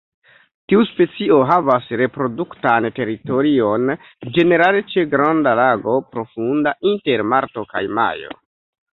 Tiu specio havas reproduktan teritorion, ĝenerale ĉe granda lago profunda, inter marto kaj majo.